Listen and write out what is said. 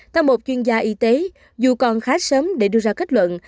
theo một chuyên gia y tế dù còn khá sớm để đưa ra kết luận